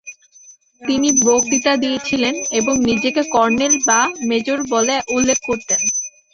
তিনি বক্তৃতা দিয়েছিলেন এবং নিজেকে ‘কর্নেল’ বা ‘মেজর’ বলে উল্লেখ করতেন।